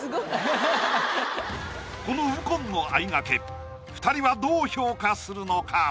この右近のあいがけ２人はどう評価するのか？